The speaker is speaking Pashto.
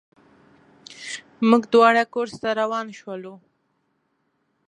موږ دواړه کورس ته روان شولو.